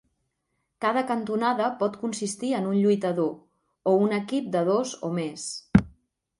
Cada cantonada pot consistir en un lluitador, o un equip de dos o més.